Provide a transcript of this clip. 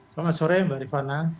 selamat sore mbak ivana